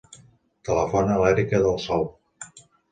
Telefona a l'Erica Del Sol.